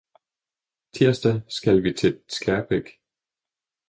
Tirsdag skal vi til Skærbæk